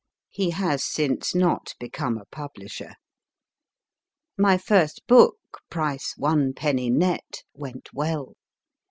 He has since not become a publisher. My first book (price one penny nett) went well.